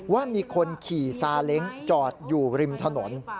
ว่ามีคนขี่ซาเล้งจอดอยู่ริมถนน